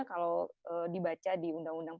kalau dibaca di undang undang